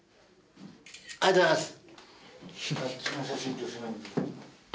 ありがとうございます。